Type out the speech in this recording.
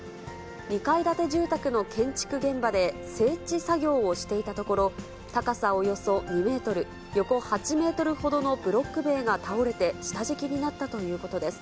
２階建て住宅の建築現場で整地作業をしていたところ、高さおよそ２メートル、横８メートルほどのブロック塀が倒れて、下敷きになったということです。